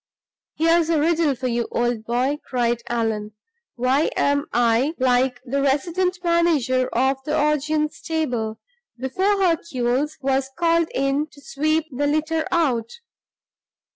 "Here's a riddle for you, old boy!" cried Allan. "Why am I like the resident manager of the Augean stable, before Hercules was called in to sweep the litter out?